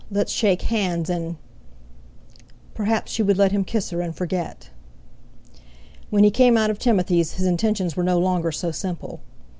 Let's shake hands—and—" Perhaps she would let him kiss her, and forget! When he came out of Timothy's his intentions were no longer so simple.